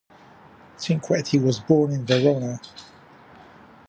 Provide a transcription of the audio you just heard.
Cinquetti was born in Verona.